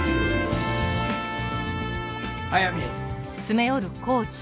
速水！